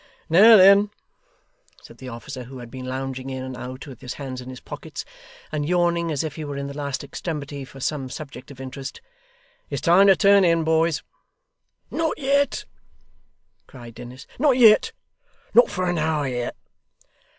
'Now then,' said the officer, who had been lounging in and out with his hands in his pockets, and yawning as if he were in the last extremity for some subject of interest: 'it's time to turn in, boys.' 'Not yet,' cried Dennis, 'not yet. Not for an hour yet.